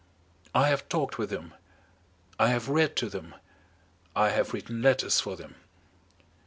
I have talked with them. I have read to them. I have written letters for them.